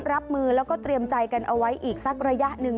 รับมือแล้วก็เตรียมใจกันเอาไว้อีกสักระยะหนึ่ง